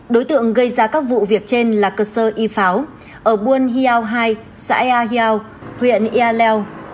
đối tượng gây ra các vụ việc trên là cơ sơ y pháo ở buôn hiao hai xã ea hiao huyện y lèo